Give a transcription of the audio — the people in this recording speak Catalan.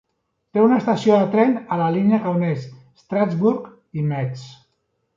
Té una estació de tren a la línia que uneix Strasbourg i Metz.